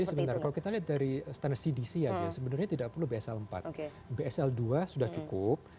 sebenarnya kalau kita lihat dari standar cdc aja sebenarnya tidak perlu bsl empat bsl dua sudah cukup